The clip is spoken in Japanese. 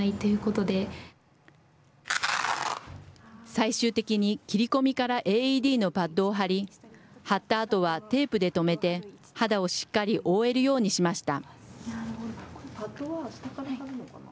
最終的に切り込みからＡＥＤのパッドを貼り、貼ったあとはテープで留めて、肌をしっかり覆えるようにしました。